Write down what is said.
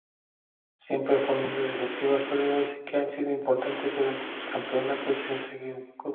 Siempre formando defensivas sólidas y que han sido importantes durante los campeonatos conseguidos.